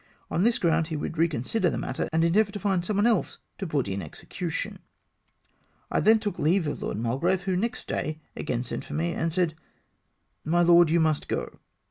On this ground he would reconsider the matter, and endeavour to find some one else to put it in execution. I then took leave of Lord Mulgrave, who, next day, again sent for me, when he said, " My lord, you must go.